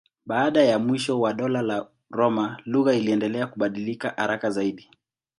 Baada ya mwisho wa Dola la Roma lugha iliendelea kubadilika haraka zaidi.